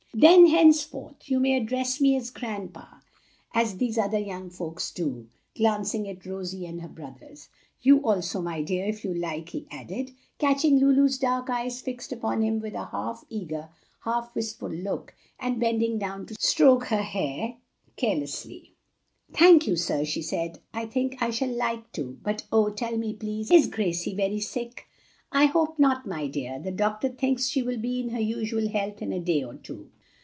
"Then henceforth you may address me as grandpa, as these other young folks do," glancing at Rosie and her brothers. "You also, my dear, if you like," he added, catching Lulu's dark eyes fixed upon him with a half eager, half wistful look, and bending down to stroke her hair caressingly. "Thank you, sir," she said, "I think I shall like to. But oh, tell me, please, is Gracie very sick?" "I hope not, my dear; the doctor thinks she will be in her usual health in a day or two."